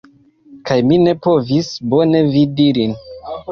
Kaj mi ne povis bone vidi lin